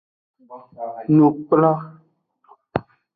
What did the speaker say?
Nukplo.